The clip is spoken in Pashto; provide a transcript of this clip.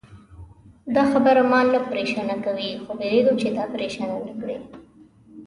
دا خبره ما نه پرېشانه کوي، خو وېرېږم چې تا پرېشانه نه کړي.